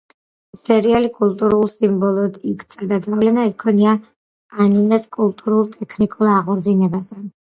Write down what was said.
სერიალი კულტურულ სიმბოლოდ იქცა და გავლენა იქონია ანიმეს კულტურულ და ტექნიკურ აღორძინებაზე.